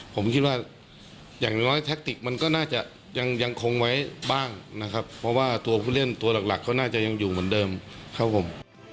ผมคิดว่าอย่างน้อยแท็กติกมันก็น่าจะยังคงไว้บ้างนะครับเพราะว่าตัวผู้เล่นตัวหลักก็น่าจะยังอยู่เหมือนเดิมครับผม